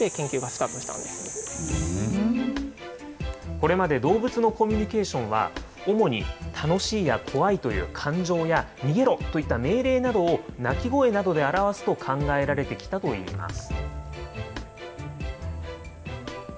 これまで動物のコミュニケーションは、主に楽しいや怖いという感情や逃げろといった命令などを鳴き声などで表すと考えられてきたといいます。